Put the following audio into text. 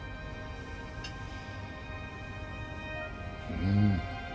うん。